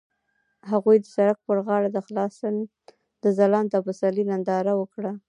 هغوی د سړک پر غاړه د ځلانده پسرلی ننداره وکړه.